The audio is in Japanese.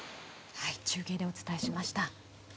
中継でお伝えしました。